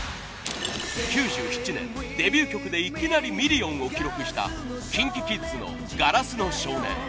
９７年デビュー曲でいきなりミリオンを記録したＫｉｎＫｉＫｉｄｓの『硝子の少年』。